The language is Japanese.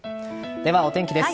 では、お天気です。